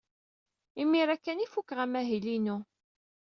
Imir-a kan ay fukeɣ amahil-inu.